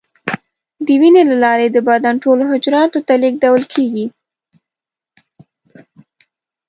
د وینې له لارې د بدن ټولو حجراتو ته لیږدول کېږي.